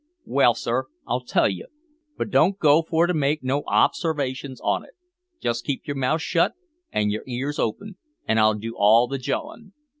"Well, sir, I'll tell you, but don't go for to make no obsarvations on it. Just keep your mouth shut an' yer ears open, an' I'll do all the jawin'.